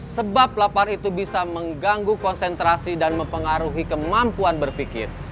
sebab lapar itu bisa mengganggu konsentrasi dan mempengaruhi kemampuan berpikir